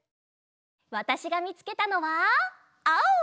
わたしがみつけたのはあお！